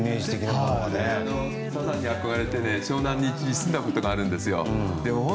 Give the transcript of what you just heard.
サザンに憧れて湘南に一時住んだことがあるんですよ。